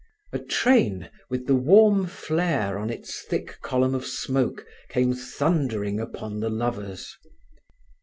A train with the warm flare on its thick column of smoke came thundering upon the lovers.